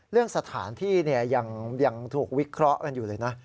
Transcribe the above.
เรื่องสถานที่ยังถูกวิเคราะห์กันอยู่เลยนะ